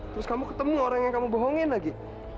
terus kamu ketemu orang yang kamu bohongin lagi